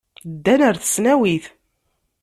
Ddan ɣer tesnawit.